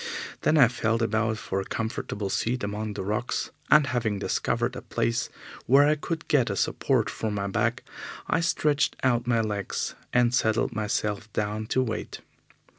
Then I felt about for a comfortable seat among the rocks, and, having discovered a place where I could get a support for my back, I stretched out my legs and settled myself down to wait.